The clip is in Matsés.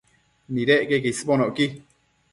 Nidec queque isbonocqui